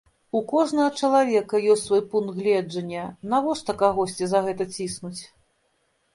У кожнага чалавека ёсць свой пункт гледжання, навошта кагосьці за гэта ціснуць?